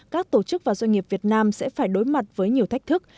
các tổ chức và doanh nghiệp việt nam sẽ phải đối mặt với nhiều thách thức